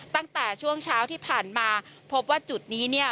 ตั้งแต่ช่วงเช้าที่ผ่านมาพบว่าจุดนี้เนี่ย